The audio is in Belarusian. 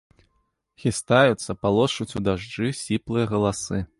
Хістаюцца, палошчуць у дажджы сіплыя галасы.